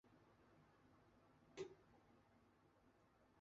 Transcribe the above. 时任总理吴作栋以及时任内阁资政李光耀都是王的支持者。